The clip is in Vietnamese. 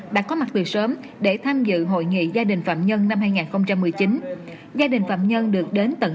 đã có mặt từ sớm để tham dự hội nghị gia đình phạm nhân năm hai nghìn một mươi chín